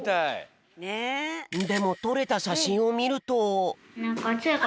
でもとれたしゃしんをみると。